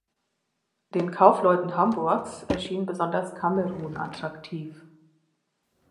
Den Kaufleuten Hamburgs erschien besonders Kamerun attraktiv.